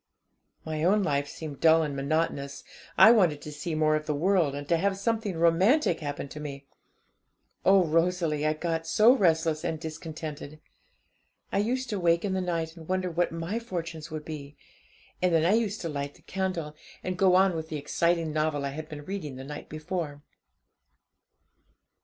My own life seemed dull and monotonous; I wanted to see more of the world, and to have something romantic happen to me. Oh, Rosalie, I got so restless and discontented! I used to wake in the night, and wonder what my fortunes would be; and then I used to light the candle, and go on with the exciting novel I had been reading the night before.